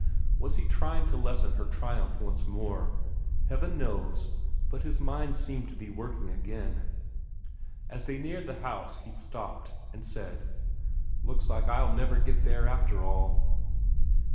Was he trying to lessen her triumph once more? Heaven knows but his mind seemed to be working again. As they neared the house, he stopped, and said: "Looks like I'll never get there, after all."